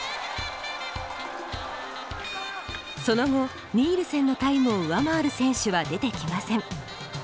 その後ニールセンのタイムを上回る選手は出てきません。